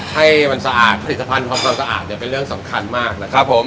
ให้มันสะอาดผลิตภัณฑ์ทำความสะอาดเนี่ยเป็นเรื่องสำคัญมากนะครับผม